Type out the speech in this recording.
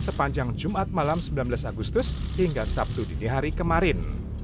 sepanjang jumat malam sembilan belas agustus hingga sabtu dini hari kemarin